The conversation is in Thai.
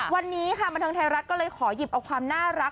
วันนี้ค่ะบันเทิงไทยรัฐก็เลยขอหยิบเอาความน่ารัก